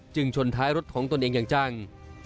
ชนท้ายรถของตนเองอย่างจัง